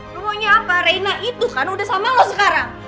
lu maunya apa reina itu kan udah sama loh sekarang